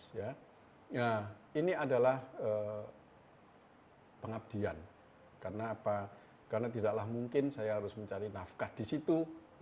nah ini adalah pengabdian karena tidaklah mungkin saya harus mencari nafkah disitu